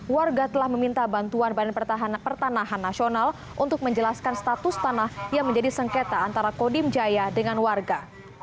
warga telah meminta bantuan badan pertanahan nasional untuk menjelaskan status tanah yang menjadi sengketa antara kodim jaya dengan warga